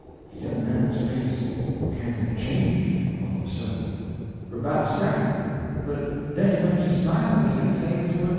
De young man's face kin' o' changed, all of a sudden, for 'bout a second, but den he went to smilin' ag'in, same as he was befo'.